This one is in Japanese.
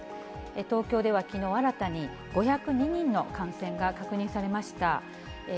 東京ではきのう、新たに５０２人の感染が確認されました。